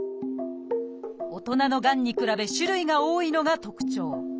大人のがんに比べ種類が多いのが特徴。